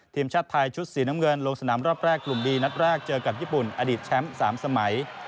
ทีมชาติไทยชุดสีน้ำเงินลงสนามรอบแรกกลุ่มดีนัดแรกเจอกับญี่ปุ่นอดีตแชมป์๓สมัย